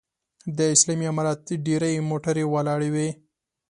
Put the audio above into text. د اسلامي امارت ډېرې موټرې ولاړې وې.